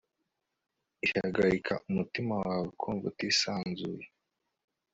ihagarika umutima wawe kumva utisanzuye